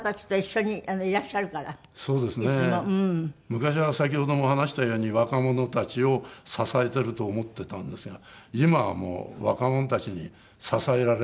昔は先ほども話したように若者たちを支えてると思ってたんですが今はもう若者たちに支えられてる。